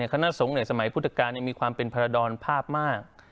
คณะสงฆ์สมัยพุทธกาลมีความเป็นพรดรภาพมาก